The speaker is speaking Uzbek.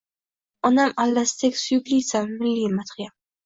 Onam allasidek suyuklisan, milliy madhiyam